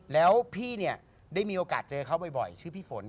แล้วพี่เนี่ยได้มีโอกาสเจอเขาบ่อยชื่อพี่ฝน